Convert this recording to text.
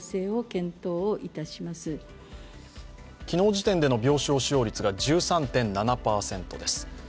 昨日時点での病床使用率が１３．７％です。